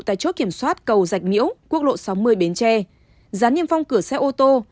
tại chỗ kiểm soát cầu rạch miễu quốc lộ sáu mươi bến tre rán niêm phong cửa xe ô tô